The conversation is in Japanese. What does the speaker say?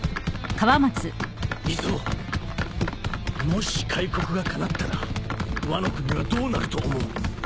もし開国がかなったらワノ国はどうなると思う？